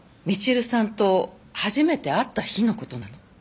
みちるさんと初めて会った日の事なの。